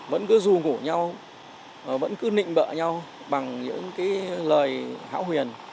vẫn cứ ru ngủ nhau vẫn cứ nịnh bỡ nhau bằng những cái lời hảo huyền